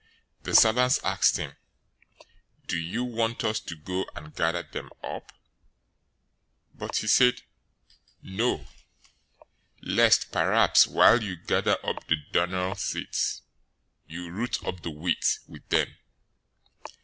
"The servants asked him, 'Do you want us to go and gather them up?' 013:029 "But he said, 'No, lest perhaps while you gather up the darnel weeds, you root up the wheat with them.